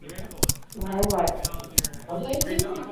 The station is the northernmost station on the Red Line in Hollywood.